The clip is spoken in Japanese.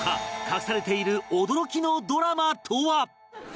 隠されている驚きのドラマとは？